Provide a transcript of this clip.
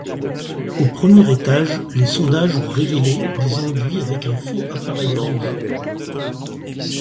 Au premier étage, les sondages ont révélé des enduits avec un faux appareil rouge.